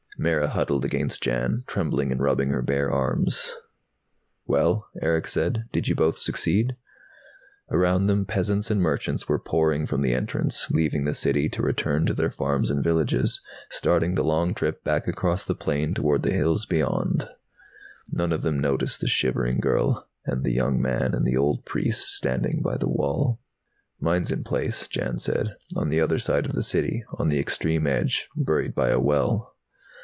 Mara huddled against Jan, trembling and rubbing her bare arms. "Well?" Erick said. "Did you both succeed?" Around them peasants and merchants were pouring from the entrance, leaving the City to return to their farms and villages, starting the long trip back across the plain toward the hills beyond. None of them noticed the shivering girl and the young man and the old priest standing by the wall. "Mine's in place," Jan said. "On the other side of the City, on the extreme edge. Buried by a well."